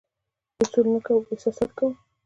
اصول نه کوو، احساسات کوو.